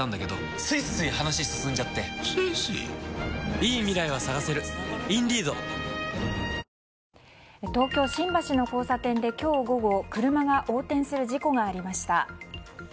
いいじゃないだって東京・新橋の交差点で今日午後車が横転する事故がありました。